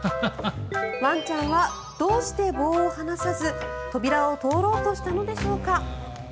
ワンちゃんはどうして棒を放さず扉を通ろうとしたのでしょうか。